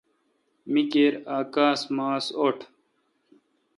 می کیر اؘ کاس ماس اوٹ۔